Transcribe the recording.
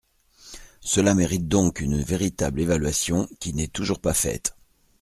Cela mérite donc une véritable évaluation, qui n’est toujours pas faite.